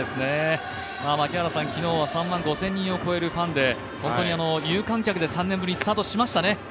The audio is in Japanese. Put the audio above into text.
昨日は３万５０００人を超えるファンで本当に有観客で３年ぶりにスタートしましたね。